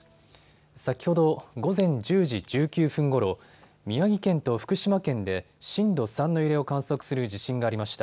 先ほど午前１０時１９分ごろ、宮城県と福島県で震度３の揺れを観測する地震がありました。